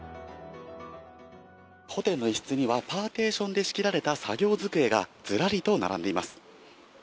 ホテルの一室には、パーテーションで仕切られた作業机がずらりと並んでいます。